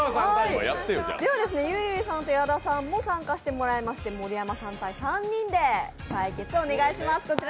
ではゆいゆいさんと矢田さんも参加してもらいまして盛山さん対３人でお願いします。